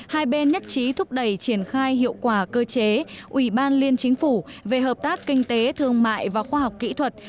hai bên nhất trí thúc đẩy triển khai hiệu quả cơ chế ủy ban liên chính phủ về hợp tác kinh tế thương mại và khoa học kỹ thuật